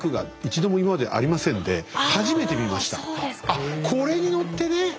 あっこれに乗ってね。